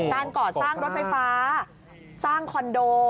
การก่อสร้างรถไฟฟ้าสร้างคอนโด